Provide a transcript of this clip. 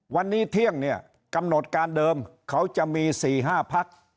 วันนี้เที่ยงเนี่ยกำหนดการเดิมเขาจะมี๔๕พัก